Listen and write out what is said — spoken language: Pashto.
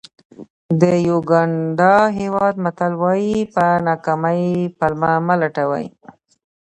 د یوګانډا هېواد متل وایي په ناکامۍ پلمه مه لټوئ.